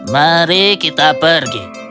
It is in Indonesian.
mari kita pergi